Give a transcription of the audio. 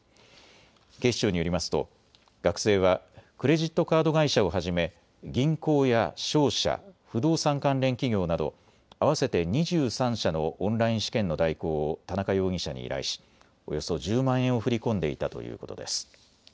警視庁によりますと、学生はクレジットカード会社をはじめ、銀行や商社、不動産関連企業など合わせて２３社のオンライン試験の代行を田中容疑者に依頼しおよそ１０万円を振り込んでいたということです。